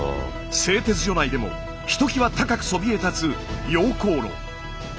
製鉄所内でもひときわ高くそびえ立つ溶鉱炉。